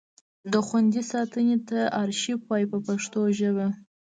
د خوندي ساتنې ځای ته ارشیف وایي په پښتو ژبه.